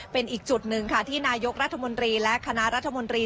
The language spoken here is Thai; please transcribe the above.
เป็นอีกจุดหนึ่งค่ะที่นายกรัฐมนตรีและคณะรัฐมนตรี